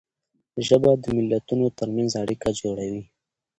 ژبه د ملتونو تر منځ اړیکه جوړوي.